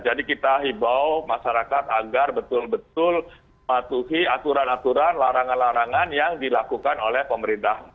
jadi kita hibau masyarakat agar betul betul matuhi aturan aturan larangan larangan yang dilakukan oleh pemerintah malaysia